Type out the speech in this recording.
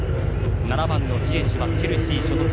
７番のジエシュはチェルシー所属。